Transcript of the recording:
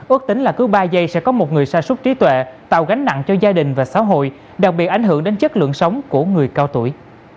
ước tính là cứ ba giây sẽ có một người xa suốt trí tuệ tạo gánh nặng cho gia đình và xã hội đặc biệt ảnh hưởng đến chất lượng sống của người cao tuổi